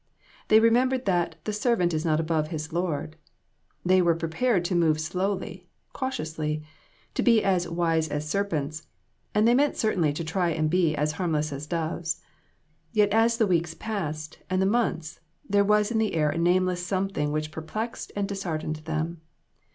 They remembered that "the servant is not above his lord." They were prepared to move slowly, cautiously; to be as "wise as serpents," and they meant certainly to try to be as " harmless as doves." Yet as the weeks passed, and the months, there was in the air a nameless some thing which perplexed and disheartened them.